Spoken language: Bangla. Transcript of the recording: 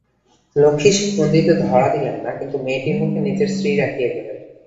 লক্ষ্মী সে ফন্দিতে ধরা দিলেন না, কিন্তু মেয়েটির মুখে নিজের শ্রী রাখিয়া গেলেন।